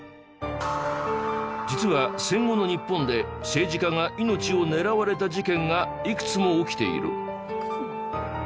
実は戦後の日本で政治家が命を狙われた事件がいくつも起きている。